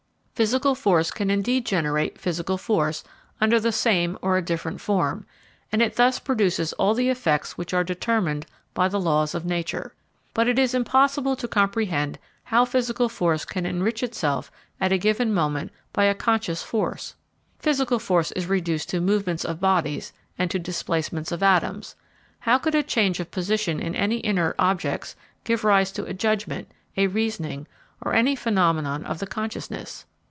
Physical force can indeed generate physical force under the same or a different form, and it thus produces all the effects which are determined by the laws of nature. But it is impossible to comprehend how physical force can enrich itself at a given moment by a conscious force. Physical force is reduced to movements of bodies and to displacements of atoms; how could a change of position in any inert objects give rise to a judgment, a reasoning, or any phenomenon of the consciousness?